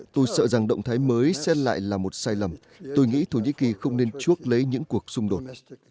tôi sợ rằng động thái mới xét lại là một sai lầm tôi nghĩ thổ nhĩ kỳ không nên chuốc lấy những cuộc xung đột